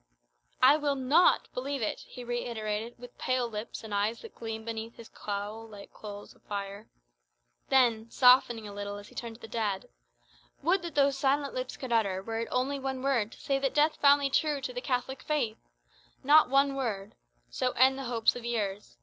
"I will not believe it," he reiterated, with pale lips, and eyes that gleamed beneath his cowl like coals of fire. Then, softening a little as he turned to the dead "Would that those silent lips could utter, were it only one word, to say that death found thee true to the Catholic faith! Not one word! So end the hopes of years.